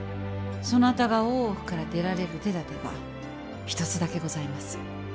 そなたが大奥から出られる手だてが一つだけございます。